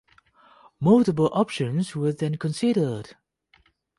Multiple options were then considered.